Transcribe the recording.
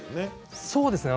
そうですね。